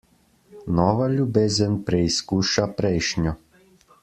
Nova ljubezen preizkuša prejšnjo.